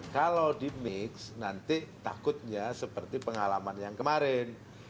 kalau di mix nanti takutnya seperti pengalaman yang kemarin